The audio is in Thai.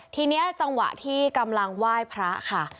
ทีนี้จังหวะที่กำลังไหว้พระค่ะ